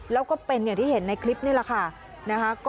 แล้วก็เป็นอย่างที่เห็นในคลิปนี่แหละค่ะ